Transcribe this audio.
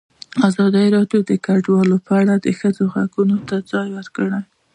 ازادي راډیو د کډوال په اړه د ښځو غږ ته ځای ورکړی.